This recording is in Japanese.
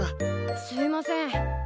すいません。